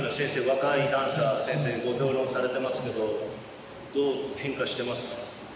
若いダンサー先生ご評論されてますけどどう変化してますか？